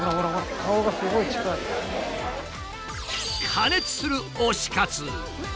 過熱する推し活。